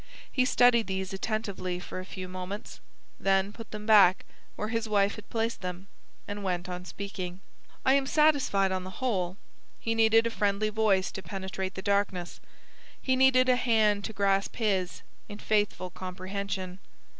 He studied these attentively for a few moments, then put them back where his wife had placed them and went on speaking. "I am satisfied on the whole. He needed a friendly voice to penetrate the darkness. He needed a hand to grasp his, in faithful comprehension.